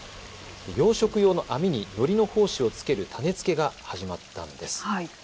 養殖用の網にのりの胞子を付ける種付けが始まったんです。